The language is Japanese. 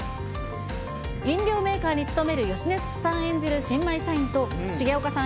飲料メーカーに勤める芳根さん演じる新米社員と、重岡さん